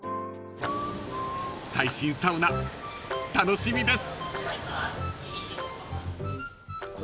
［最新サウナ楽しみです］